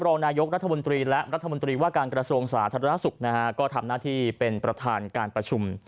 รองนายกรัฐมนตรีและรัฐมนตรีว่าการกระทรวงสาธารณสุขนะฮะก็ทำหน้าที่เป็นประธานการประชุม